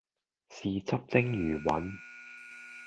豉汁蒸魚雲